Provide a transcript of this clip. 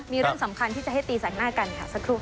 มีเรื่องสำคัญที่จะให้ตีแสงหน้ากันค่ะสักครู่ค่ะ